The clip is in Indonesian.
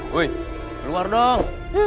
hei keluar dong